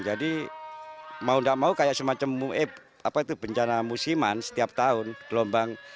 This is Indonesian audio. jadi mau tidak mau kayak semacam bencana musiman setiap tahun gelombang